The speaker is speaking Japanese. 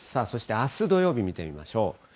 そして、あす土曜日見てみましょう。